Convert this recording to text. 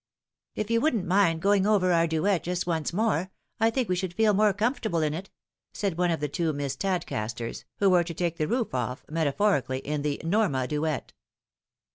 " If you wouldn't mind going over our duet just once more, I think we should feel more comfortable in it," said one of the two Miss Tadcasters, who were to take the roof off, meta phorically, in the Norma duet.